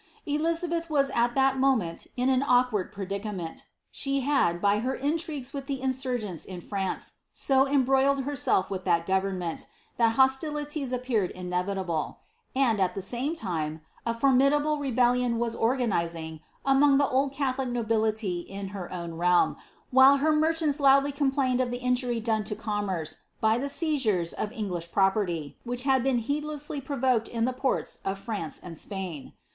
tiizabelh was ai thai monienl to »n Bwk Ward pred ieament ; she had, by her iutrigues with the iusurgenla ia France, so embroiled herself with that govennneni, that ho^tiliiiet ap peared inevitable, and, at the same lime, a fannidable rebellion wm or ganizing' among the old catholic nobility in her own realm, while btr merchanU Intidly complained of the injury done lo coaimerce by At •eJEures of English property, which had been heedlessly protrokod ifl the ports of France and Spain.